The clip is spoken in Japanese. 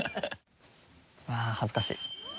うわあ恥ずかしい。